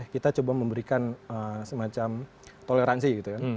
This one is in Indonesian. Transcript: kita coba memberikan semacam toleransi gitu kan